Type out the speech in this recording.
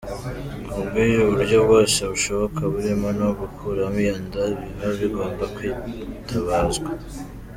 Ku bw’ibyo, uburyo bwose bushoboka burimo no gukuramo iyo nda, biba bugomba kwitabazwa.